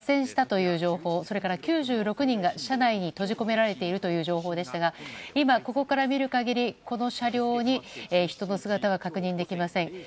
先ほど、脱線したという情報それから９６人が車内に閉じ込められているという情報でしたが、ここから見る限りこの車両に人の姿は確認できません。